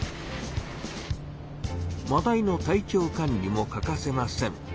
マダイの体調管理も欠かせません。